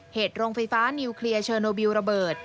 เหตุโรงไฟฟ้านิวเคลียร์เชอร์โนบิลระเบิด